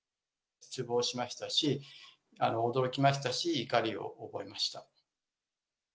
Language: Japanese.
失望しましたし、驚きましたし、怒りを覚えました。